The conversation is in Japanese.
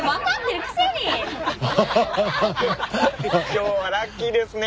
今日はラッキーですね。